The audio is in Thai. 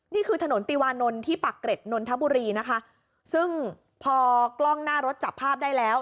นี่คือถนนติวานนท์ที่ปากเกร็ดนนทบุรีนะคะซึ่งพอกล้องหน้ารถจับภาพได้แล้ว